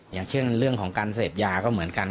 อย่างเช่นเรื่องของการเสพยาก็เหมือนกัน